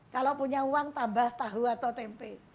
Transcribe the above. kalau punya uang tambah tahu atau tempe